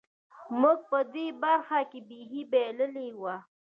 موږ په دې برخه کې بېخي بایللې وه.